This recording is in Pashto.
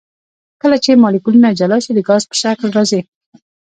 کله چې مالیکولونه جلا شي د ګاز په شکل راځي.